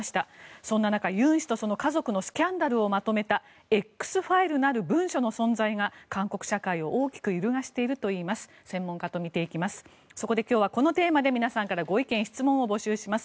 そんな中、ユン氏とその家族のスキャンダルをまとめたＸファイルなる文書の存在が韓国社会を大きく揺るがしているといいます専門家と見ていきます。